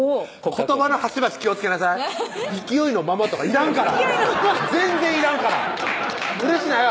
言葉の端々気をつけなさい「勢いのまま」とかいらんから全然いらんからうれしないわ